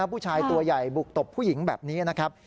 ผู้ชายตัวใหญ่บุกตบผู้หญิงแบบนี้นะครับ